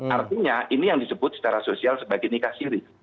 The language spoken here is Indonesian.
artinya ini yang disebut secara sosial sebagai nikah siri